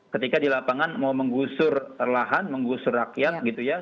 ketika di lapangan mau menggusur lahan menggusur rakyat gitu ya